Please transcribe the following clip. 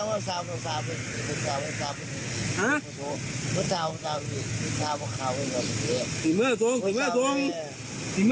เขาพูดว่าอะไรนะคุณขวัญเกี่ยวกับคุณน้ำแข็งแปลสิ